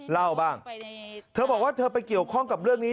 เล่าบ้างเธอบอกว่าเธอไปเกี่ยวข้องกับเรื่องนี้